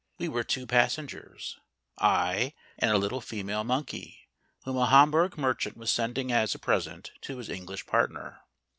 We were two passengers ; I and a little female monkey, whom a Hamburg merchant was sending as a present to his English partner.